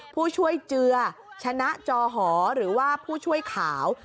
ผู้ช่วยเจือชนะจอหอหรือว่าผู้ช่วยขาว